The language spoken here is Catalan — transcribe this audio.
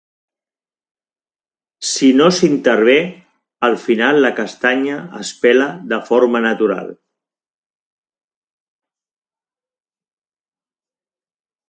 Si no s'hi intervé, al final la castanya es pela de forma natural.